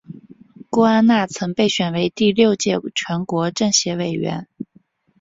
郭安娜曾被选为第六届全国政协委员。